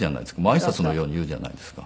挨拶のように言うじゃないですか。